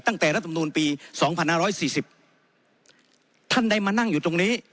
รัฐมนูลปี๒๕๔๐ท่านได้มานั่งอยู่ตรงนี้